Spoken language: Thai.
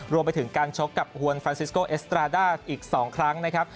รวมไปถึงการชกกับฮวนฟรานซิสโกเอสตราด้าอีก๒ครั้งนะครับ